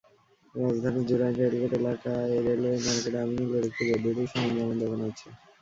রাজধানীর জুরাইন রেলগেট এলাকায় রেলওয়ে মার্কেটে আমিনুলের একটি বৈদ্যুতিক সরঞ্জামের দোকান আছে।